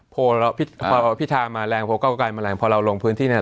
โพสรพิธามมากพวกฯโรคกาไกรมาแรงพอเราลงพื้นที่เนี่ย